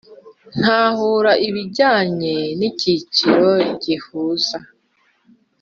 Tahura ibijyanye n’ikiciro gihuza